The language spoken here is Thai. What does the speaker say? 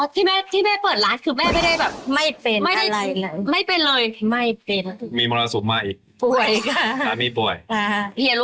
ที่แม่ที่แม่เปิดร้านคือแม่ไม่ได้แบบ